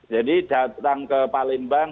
jadi datang ke palembang